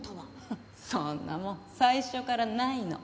フンそんなもん最初からないの。